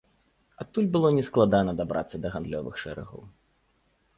Адтуль было нескладана дабрацца да гандлёвых шэрагаў.